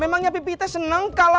memangnya pipih teh seneng kalo